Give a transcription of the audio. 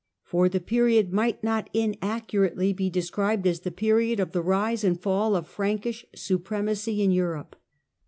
For the period might not inaccurately be described as the period of the rise and ifall of Frankish supremacy in Europe.